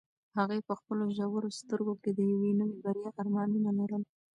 هغې په خپلو ژورو سترګو کې د یوې نوې بریا ارمانونه لرل.